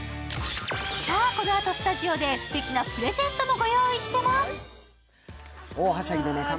このあとスタジオですてきなプレゼントもご用意してますよ。